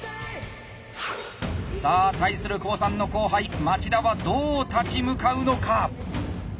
さあ対する久保さんの後輩町田はどう立ち向かうのか。